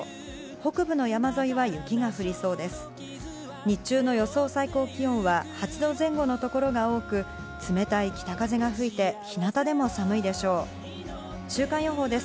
北部の山沿いは雪が降りそうです。